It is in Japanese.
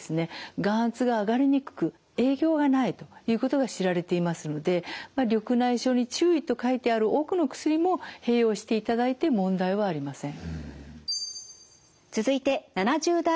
眼圧が上がりにくく影響がないということが知られていますので「緑内障に注意」と書いてある多くの薬も併用していただいて問題はありません。